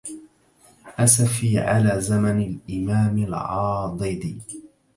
أسفي على زمن الإمام العاضد